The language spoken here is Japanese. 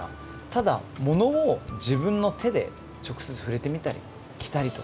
ただものを自分の手で直接触れてみたり着たりとか。